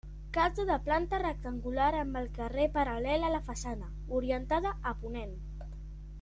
Casa de planta rectangular amb el carener paral·lel a la façana, orientada a ponent.